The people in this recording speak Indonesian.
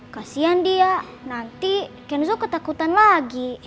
kasian dia nanti kenzo ketakutan lagi